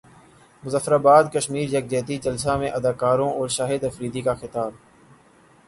مظفراباد کشمیر یکجہتی جلسہ میں اداکاروں اور شاہد افریدی کا خطاب